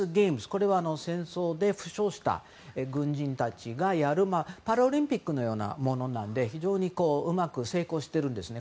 これは戦争で負傷した軍人たちがやるパラオリンピックのようなものなので非常にうまく成功してるんですね。